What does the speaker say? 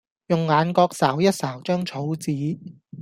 用眼角睄一睄張草紙